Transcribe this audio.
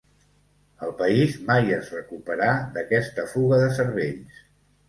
El país mai es recuperà d'aquesta fuga de cervells.